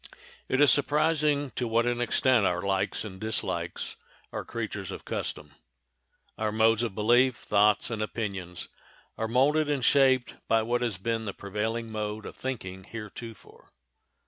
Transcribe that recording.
It is surprising to what an extent our likes and dislikes are creatures of custom. Our modes of belief, thoughts, and opinions are molded and shaped by what has been the prevailing mode of thinking heretofore.